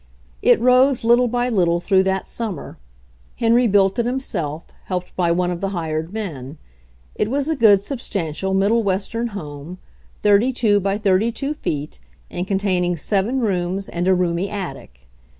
It rose little by little through that summer. Henry built it himself, helped by one of the hired men. It was a good, substantial, Middle Western home, 32 x 32 feet and containing seven rooms and a roomy attic.